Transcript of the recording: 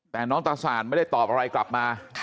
แต่น้องตาสานไม่ได้ตอบอะไรกลับมา